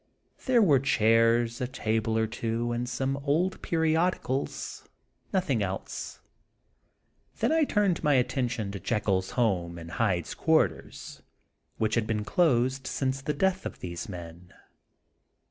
There were chairs, a table or two, and some old periodi cals, ŌĆö nothing else. Then I turned my attention to Jekyll's home and Hyde's quarters, which had been closed since the death of these men.